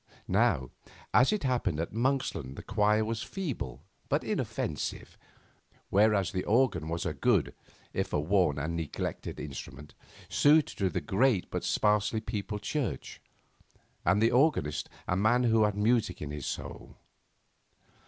Now, as it happened, at Monksland the choir was feeble, but inoffensive; whereas the organ was a good, if a worn and neglected instrument, suited to the great but sparsely peopled church, and the organist, a man who had music in his soul.